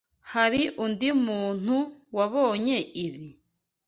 Hari undi muntu wabonye ibi?